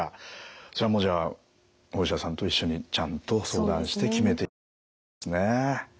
それもじゃあお医者さんと一緒にちゃんと相談して決めていった方がいいってことですね。